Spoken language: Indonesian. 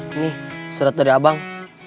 nih seret dari abang